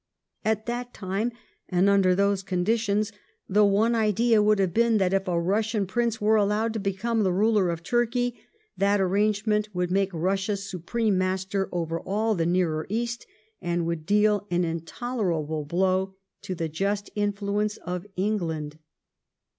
At that time, and under those conditions, the one idea would have been that, if a Eussian Prince were allowed to become the ruler of Turkey, that arrange ment would make Eussia supreme master over all the nearer East and would deal an intolerable blow to the just influence of England.